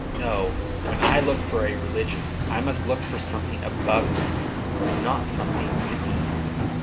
No! When I look for a religion, I must look for something above me, and not something beneath."